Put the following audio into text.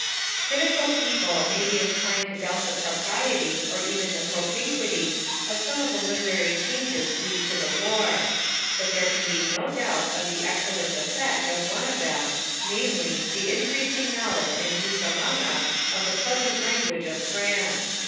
Critical people may be inclined to doubt the propriety, or even the propinquity, of some of the literary changes due to the war. But there can be no doubt of the excellent effect of one of them, namely, the increasing knowledge and use among us of the pleasant language of France.